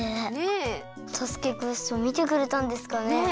「かたづけクエスト」みてくれたんですかね？